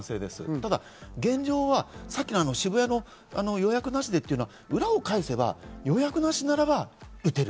ただ現状はさっきの渋谷の予約なしでというのは裏を返せば予約なしならば打てる。